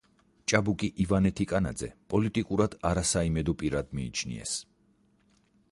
ჭაბუკი ივანე თიკანაძე პოლიტიკურად არასაიმედო პირად მიიჩნიეს.